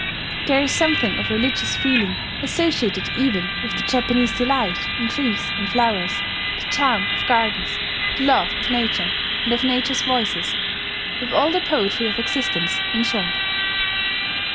There is something of religious feeling associated even with the Japanese delight in trees and flowers, the charm of gardens, the love of nature and of nature's voices, with all the poetry of existence, in short.